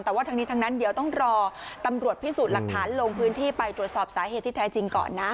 แต่ว่าทั้งนี้ทั้งนั้นเดี๋ยวต้องรอตำรวจพิสูจน์หลักฐานลงพื้นที่ไปตรวจสอบสาเหตุที่แท้จริงก่อนนะ